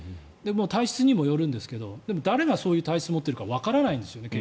体質にもよるんですけど誰がそういう体質を持っているかわからないんですよね